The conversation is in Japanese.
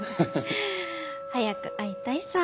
早く会いたいさー。